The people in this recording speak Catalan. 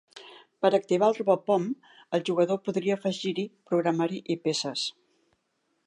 Per activar el Robopon, el jugador podria afegir-hi programari i peces.